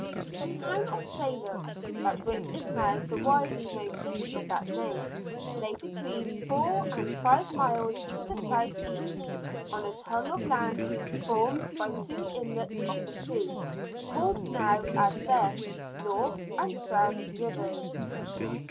The town of Salem, that which is now the widely known city of that name, lay between four and five miles to the southeast, on a tongue of land formed by two inlets of the sea, called now as then North and South Rivers.